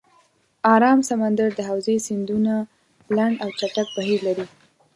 آرام سمندر د حوزې سیندونه لنډ او چټک بهیر لري.